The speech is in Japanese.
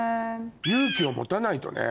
勇気を持たないとね。